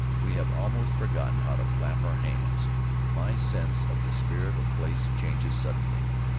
We have almost forgotten how to clap our hands! My sense of the spirit of place changes suddenly.